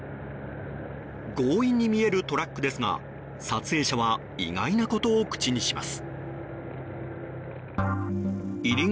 強引に見えるトラックですが撮影者は意外なことを口にします。